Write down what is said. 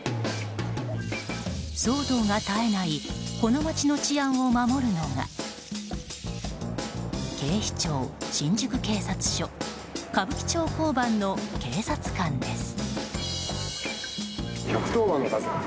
騒動が絶えないこの街の治安を守るのが警視庁新宿警察署歌舞伎町交番の警察官です。